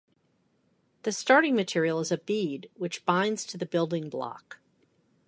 The starting material is a bead which binds to the building block.